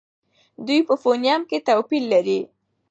دوی په فونېم کې توپیر لري.